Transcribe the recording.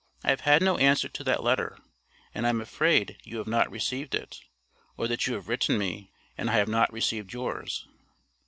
I have had no answer to that letter, and I am afraid you have not received it, or that you have written me, and I have not received yours.